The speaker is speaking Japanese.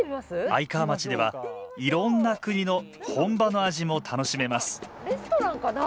愛川町ではいろんな国の本場の味も楽しめますレストランかな？